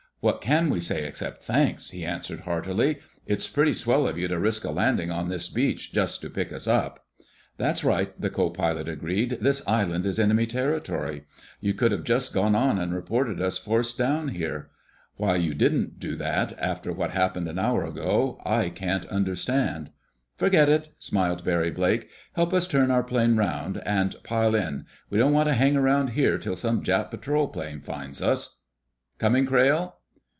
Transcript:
"What can we say, except 'Thanks?'" he answered heartily. "It's pretty swell of you to risk a landing on this beach just to pick us up." "That's right!" the co pilot agreed. "This island is enemy territory. You could have just gone on and reported us forced down here. Why you didn't do that, after what happened an hour ago, I can't understand." "Forget it!" smiled Barry Blake. "Help us turn our plane around, and pile in. We don't want to hang around here till some Jap patrol plane finds us.... Coming, Crayle?"